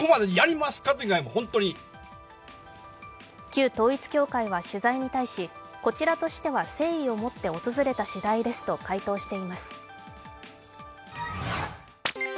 旧統一教会は取材に対しこちらとしては誠意をもって訪れた次第ですと回答しています。